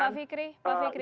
pak fikri pak fikri